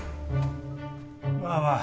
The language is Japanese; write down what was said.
まあまあ。